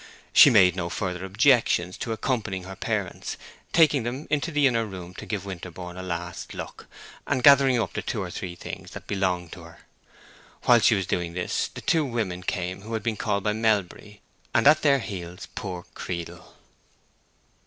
She made no further objections to accompanying her parents, taking them into the inner room to give Winterborne a last look, and gathering up the two or three things that belonged to her. While she was doing this the two women came who had been called by Melbury, and at their heels poor Creedle.